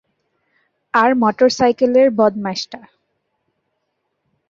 আর মোটরসাইকেলের বদমাইশটা।